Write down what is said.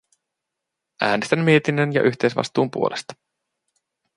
Äänestän mietinnön ja yhteisvastuun puolesta.